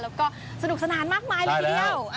แล้วก็สนุกสนานมากมายเลยทีเดียว